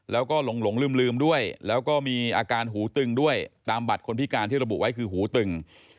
แล้วก็หลงลืมด้วยแล้วก็มีอาการหูตึงด้วยตามบัตรคนพิการที่ระบุไว้คือหูตึง